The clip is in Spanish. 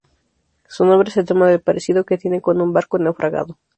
Su nombre se toma del parecido que tiene con un barco naufragado.